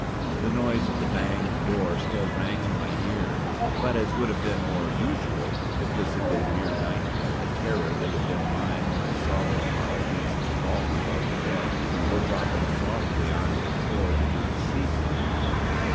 The noise of the banged door still rang in my ears. But, as would have been more usual, if this had been mere nightmare, the terror that had been mine when I saw those foul beasts crawling about the bed or dropping softly on to the floor did not cease then.